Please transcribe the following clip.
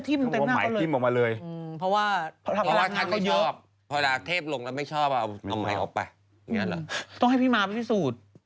นี่เค้าบอกล่างก็ไปทำรอให้มันใหม่มาเยอะ